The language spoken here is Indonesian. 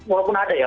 walaupun ada ya